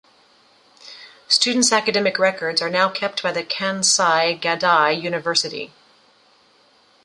Students' academic records are now kept by the Kansai Gaidai University.